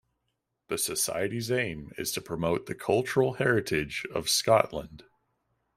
The Society's aim is to promote the cultural heritage of Scotland.